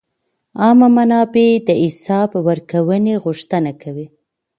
عامه منابع د حساب ورکونې غوښتنه کوي.